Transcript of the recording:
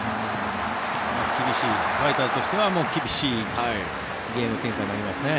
ファイターズとしては厳しいゲーム展開になりますね。